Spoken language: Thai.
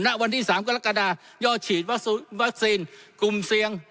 ณวันที่๓กรกฎายอดฉีดวัคซีนกลุ่มเสี่ยง